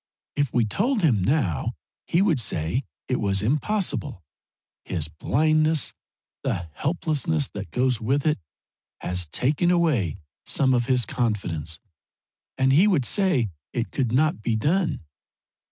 If we told him now he would say it was impossible. His blindness, the helplessness that goes with it, has taken away some of his confidence, and he would say it could not be done.